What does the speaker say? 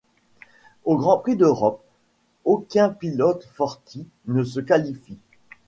Au Grand Prix d'Europe, aucun pilote Forti ne se qualifie.